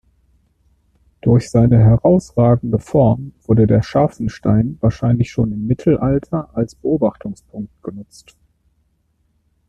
Durch seine herausragende Form wurde der Scharfenstein wahrscheinlich schon im Mittelalter als Beobachtungspunkt genutzt.